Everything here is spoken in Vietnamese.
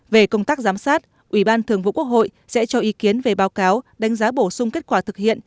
về công tác giám sát ủy ban thường vụ quốc hội sẽ cho ý kiến về báo cáo đánh giá bổ sung kết quả thực hiện